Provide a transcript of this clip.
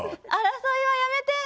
争いはやめて！